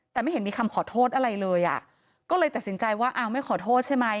แต่ไม่เห็นมีคำขอโทษอะไรเลยอ่ะก็เลยตัดสินใจว่าอ้าวไม่ขอโทษใช่ไหม